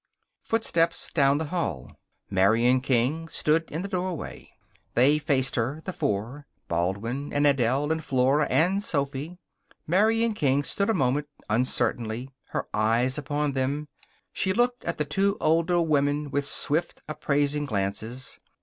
Footsteps down the hall. Marian King stood in the doorway. They faced her, the four Baldwin and Adele and Flora and Sophy. Marian King stood a moment, uncertainly, her eyes upon them. She looked at the two older women with swift, appraising glances.